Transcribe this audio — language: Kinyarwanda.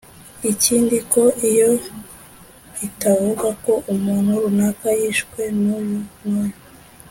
Ikindi ko iyo itavuga ko umuntu runaka yishwe n’uyu n’uyu